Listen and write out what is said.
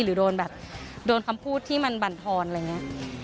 หรือโดนแบบโดนคำพูดที่มันบรรทอนอะไรอย่างนี้